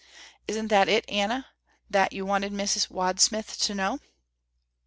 Isn't that it Anna that you wanted Miss Wadsmith to know?"